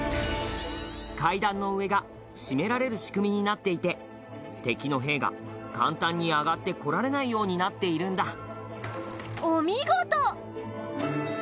階段の上が閉められる仕組みになっていて、敵の兵が簡単に上がってこられないようになっているんだお見事！